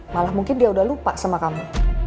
malah mungkin dia udah lupa sama kamu